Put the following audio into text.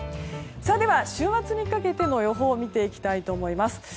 では、週末にかけての予報を見ていきます。